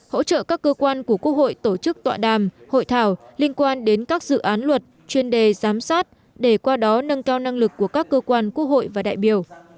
hỗ trợ các cơ quan của quốc hội tổ chức tọa đàm hội thảo liên quan đến các dự án luật chuyên đề giám sát để qua đó nâng cao năng lực của các cơ quan quốc hội và đại biểu